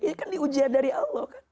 ya kan ini ujian dari allah